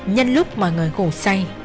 nhân lúc mọi người ngủ say